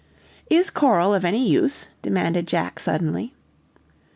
"Is coral of any use?" demanded Jack suddenly.